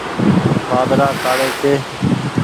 وآڌڙآ ڪآڙي ڇي۔